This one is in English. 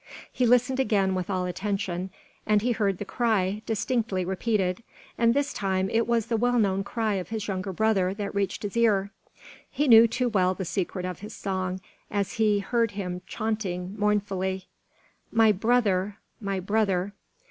He listened again with all attention, and he heard the cry distinctly repeated; and this time it was the well known cry of his younger brother that reached his ear. He knew too well the secret of his song, as he heard him chaunting mournfully: "My brother! My brother!